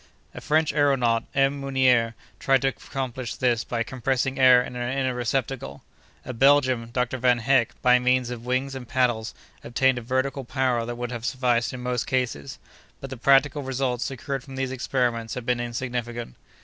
A French aëronaut, M. Meunier, tried to accomplish this by compressing air in an inner receptacle. A Belgian, Dr. Van Hecke, by means of wings and paddles, obtained a vertical power that would have sufficed in most cases, but the practical results secured from these experiments have been insignificant.